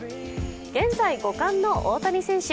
現在５冠の大谷選手。